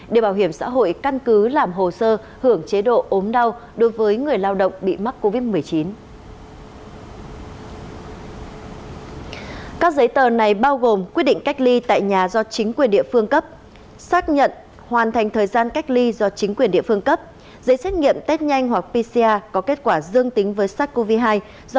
để bảo hiểm xã hội căn cứ làm hồ sơ hưởng chế độ ốm đau đối với người lao động bị mắc covid một mươi chín